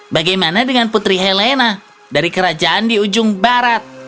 bagaimana dengan putri helena dari kerajaan di ujung barat